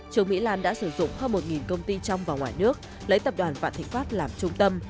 trương mỹ lan đã sử dụng hơn một công ty trong và ngoài nước lấy tập đoàn vạn thị pháp làm trung tâm